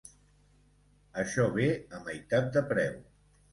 Això ve a meitat de preu.